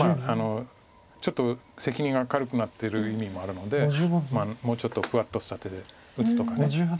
ちょっと責任が軽くなってる意味もあるのでもうちょっとふわっとした手で打つとか。